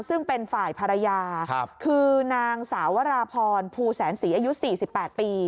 ซึ่งเป็นฝ่ายภรรยาคือนางสาวราพรภูแสนศรีอายุ๔๘ปี